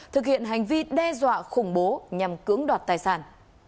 thực hiện hành vi đe dọa khủng bố nhằm cưỡng đoạt tài sản